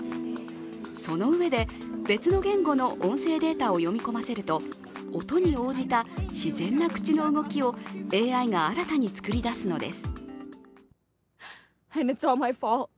そのうえで、別の言語の音声データを読み込ませると、音に応じた自然な口の動きをＡＩが新たに作り出すのです。